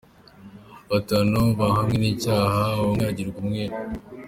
Batanu bahamwe n’icyaha umwe agirwa umwere.